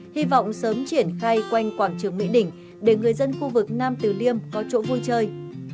hy vọng sớm triển khai quanh quảng trường mỹ đỉnh để người dân khu vực nam từ liêm có chỗ vui chơi